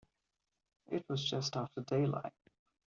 It was just after daylight.